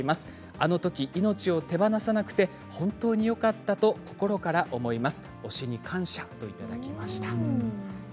あのとき命を手放さなくて本当によかったと心から思います。